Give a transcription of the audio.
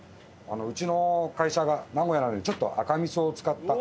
うちの会社が名古屋なのでちょっと赤味噌を使った。